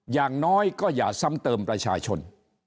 อย่างน้อยก็อย่าซ้ำเติมประชาชน